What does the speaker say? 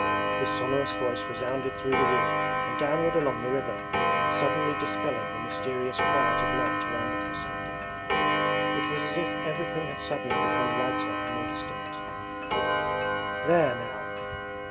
His sonorous voice resounded through the wood and downward along the river, suddenly dispelling the mysterious quiet of night around the Cossack. It was as if everything had suddenly become lighter and more distinct. 'There now.